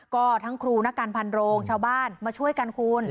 ก็ทั้งครูนักการพันโรงชาวบ้านมาช่วยกันคุณ